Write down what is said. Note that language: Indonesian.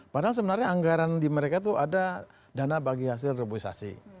padahal sebenarnya anggaran di mereka itu ada dana bagi hasil roboisasi